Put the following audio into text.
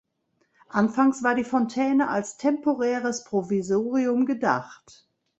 Anfangs war die Fontäne als temporäres Provisorium gedacht.